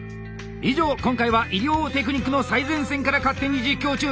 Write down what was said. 以上今回は医療テクニックの最前線から勝手に実況中継。